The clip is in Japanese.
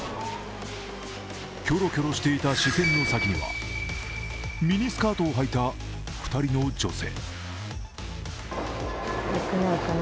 キョロキョロしていた視線の先には、ミニスカートをはいた２人の女性。